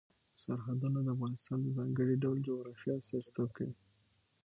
سرحدونه د افغانستان د ځانګړي ډول جغرافیه استازیتوب کوي.